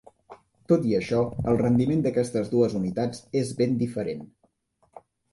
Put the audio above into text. Tot i això, el rendiment d'aquestes dues unitats és ben diferent.